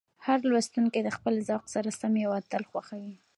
هر لوستونکی د خپل ذوق سره سم یو اتل خوښوي.